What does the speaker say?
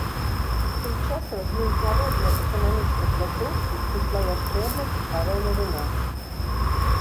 Тым часам з міжнароднай эканамічнай пляцоўкі прыйшла яшчэ адна цікавая навіна.